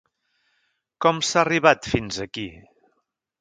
Com s’ha arribat fins aquí?